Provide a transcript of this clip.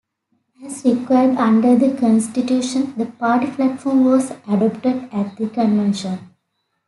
As required under the constitution, the party platform was adopted at the convention.